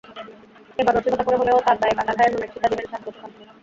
এবার রসিকতা করে হলেও তাঁর কাটা ঘায়ে নুনের ছিটা দিলেন শাহরুখ খান।